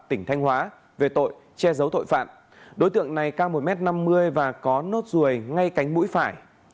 tỉnh thanh hóa về tội che giấu tội phạm đối tượng này cao một m năm mươi và có nốt ruồi ngay cánh mũi phải